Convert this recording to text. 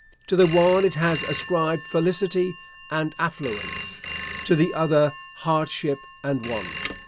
To the one it has ascribed felicity and affluence; to the other hardship and want.